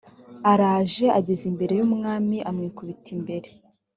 araje ageze imbere y umwami amwikubita imbere